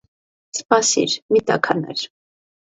- Սպասիր, մի տաքանար: